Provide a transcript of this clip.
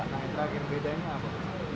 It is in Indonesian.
nah terakhir bedanya apa